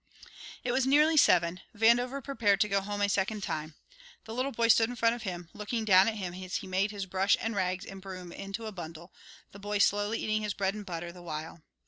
It was nearly seven. Vandover prepared to go home a second time. The little boy stood in front of him, looking down at him as he made his brush and rags and broom into a bundle; the boy slowly eating his bread and butter the while.